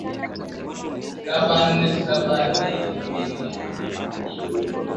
saba nne saba nini kifanyike